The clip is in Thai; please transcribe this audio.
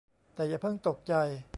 แต่อย่าเพิ่งตกใจ